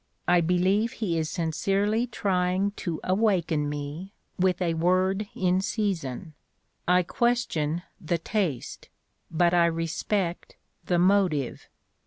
I believe he is sincerely trying to "awaken me" with a "word in season." I question the taste, but I respect the motive.